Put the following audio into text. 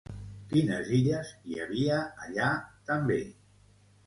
Quines illes hi havia allà també?